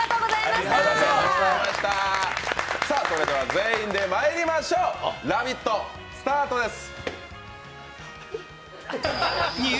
全員でまいりましょう、「ラヴィット！」スタートです。